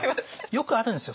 よくあるんですよ。